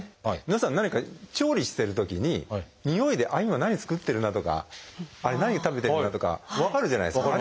皆さん何か調理してるときににおいで今何作ってるなとかあれ何を食べてるなとか分かるじゃないですか。